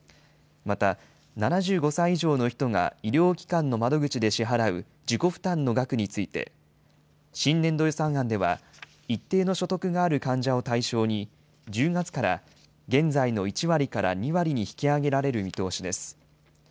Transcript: また、７５歳以上の人が医療機関の窓口で支払う自己負担の額について、新年度予算案では、一定の所得がある患者を対象に、１０月から現在の１割から２割に引き上げられる見通しです。